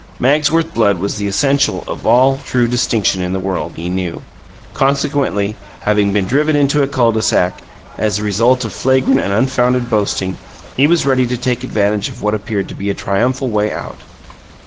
Magsworth blood was the essential of all true distinction in the world, he knew. Consequently, having been driven into a cul de sac, as a result of flagrant and unfounded boasting, he was ready to take advantage of what appeared to be a triumphal way out.